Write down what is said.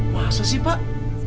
masa sih pak